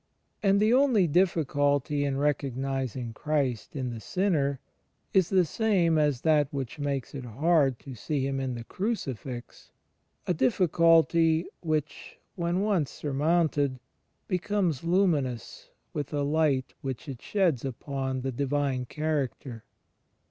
And the only difficulty in recognizing Christ in the Sinner is the same as that which makes it hard to see Him in the Crucifix — a difficulty which, when once surmoujited, becomes limiinous with the light which it sheds upon the Divine Character.